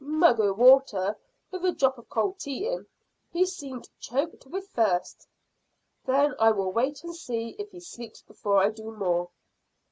"Mug o' water with a drop of cold tea in. He seemed choked with thirst." "Then I will wait and see if he sleeps before I do more."